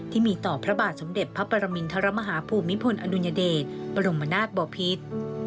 ที่มีต่อพระบาทสมเด็จพระปรมินทรมาฮาภูมิพลอดุญเดชบรมนาศบอพิษ